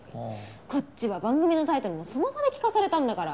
こっちは番組のタイトルもその場で聞かされたんだから。